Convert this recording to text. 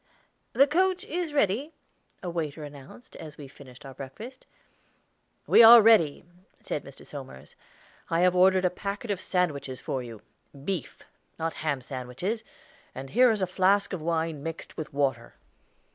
"The coach is ready," a waiter announced, as we finished our breakfast. "We are ready," said Mr. Somers. "I have ordered a packet of sandwiches for you beef, not ham sandwiches and here is a flask of wine mixed with water."